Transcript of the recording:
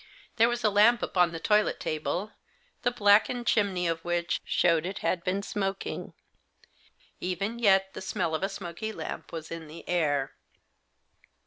There was a lamp upon the toilet table, the blackened chimney of which showed it had been smoking ; even yet the smell of a smoky lamp was in the air.